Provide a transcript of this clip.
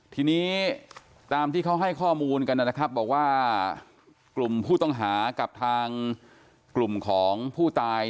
ทีนี้ตามที่เขาให้ข้อมูลกันนะครับบอกว่ากลุ่มผู้ต้องหากับทางกลุ่มของผู้ตาย